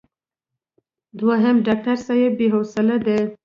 دوهم: ډاکټر صاحب بې حوصلې دی.